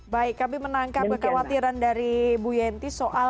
baik kami menangkap kekhawatiran dari bu yenty soal